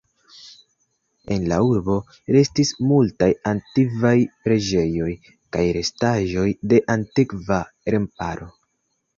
En la urbo restis multaj antikvaj preĝejoj kaj restaĵoj de antikva remparo.